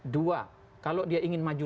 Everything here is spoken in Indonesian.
dua kalau dia ingin maju